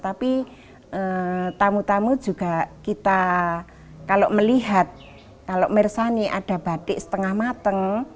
tapi tamu tamu juga kita kalau melihat kalau mersani ada batik setengah mateng